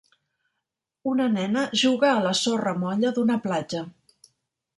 Una nena juga a la sorra molla d'una platja.